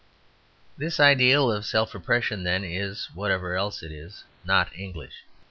This ideal of self repression, then, is, whatever else it is, not English.